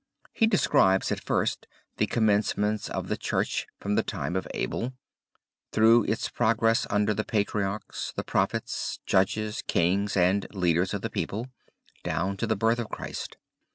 He describes at first the commencements of the Church from the time of Abel, through its progress under the Patriarchs, the Prophets, Judges, Kings, and leaders of the people, down to the Birth of Christ.